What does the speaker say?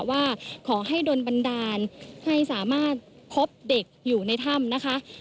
ว่าขอให้โดนบันดาลให้สามารถพบเด็กอยู่ในถ้ำนะคะ